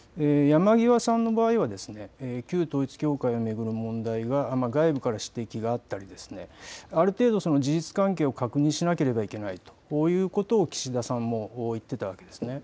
山際さんの場合は旧統一教会を巡る問題が外部から指摘があったりある程度、事実関係を確認しなければいけないということを岸田さんも言っていたわけですね。